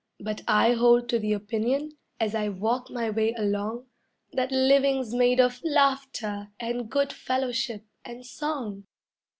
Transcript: But I hold to the opinion, as I walk my way along, That living's made of laughter and good fellowship and song.